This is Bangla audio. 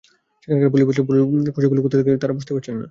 সেখানকার পুলিশ বলছে, পশুগুলো কোথা থেকে আসছে তাঁরা বুঝতে পারছেন না।